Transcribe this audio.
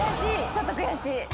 ちょっと悔しい。